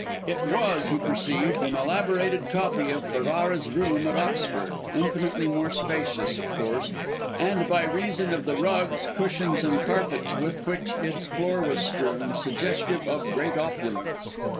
It was, he perceived, an elaborated copy of Ferrara's room at Oxford; infinitely more spacious, of course, and by reason of the rugs, cushions and carpets with which its floor was strewn, suggestive of great opulence.